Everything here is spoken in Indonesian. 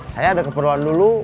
saya ada keperluan dulu